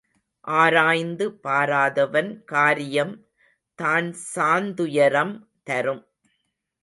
ஆராய்ந்து பாராதவன் காரியம் தான் சாந் துயரம் தரும்.